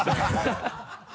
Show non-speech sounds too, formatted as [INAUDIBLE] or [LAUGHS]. ハハハ [LAUGHS]